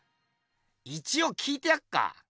一おう聞いてやっか。